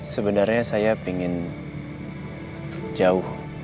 sebenarnya saya ingin jauh